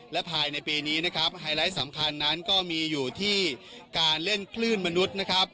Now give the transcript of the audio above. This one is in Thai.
และภายในปีนี้ไฮไลท์สำคัญนั้นก็มีอยู่ที่การเล่นคลื่นมนุษย์